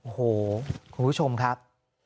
โอ้โหคุณผู้ชมครับ